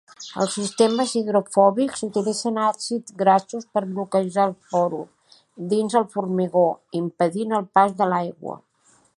Els sistemes hidrofòbics utilitzen àcids grassos per bloquejar els porus dins el formigó, impedint el pas de l'aigua.